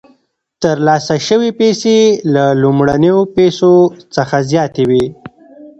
ترلاسه شوې پیسې له لومړنیو پیسو څخه زیاتې وي